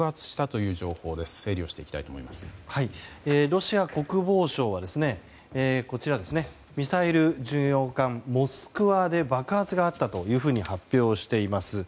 ロシア国防省はミサイル巡洋艦「モスクワ」で爆発があったというふうに発表しています。